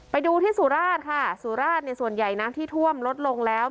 ไปดูที่สุราชค่ะสุราชเนี่ยส่วนใหญ่น้ำที่ท่วมลดลงแล้ว